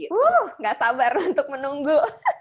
wuh gak sabar untuk menunggu